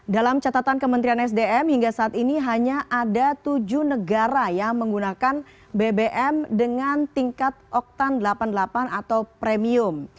dalam catatan kementerian sdm hingga saat ini hanya ada tujuh negara yang menggunakan bbm dengan tingkat oktan delapan puluh delapan atau premium